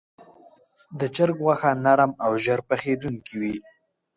د چرګ غوښه نرم او ژر پخېدونکې وي.